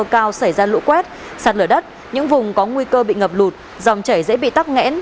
cao xảy ra lũ quét sạt lở đất những vùng có nguy cơ bị ngập lụt dòng chảy dễ bị tắc nghẽn